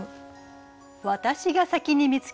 私が先に見つけるかも。